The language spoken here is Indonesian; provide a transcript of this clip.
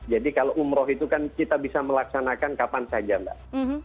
jadi kalau umroh itu kan kita bisa melaksanakan kapan saja mbak